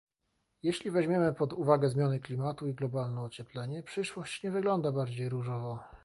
Jeśli weźmiemy pod uwagę zmiany klimatu i globalne ocieplenie, przyszłość nie wygląda bardziej różowo